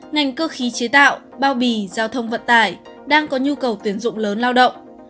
ngành cơ khí chế tạo bao bì giao thông vận tải đang có nhu cầu tuyển dụng lớn lao động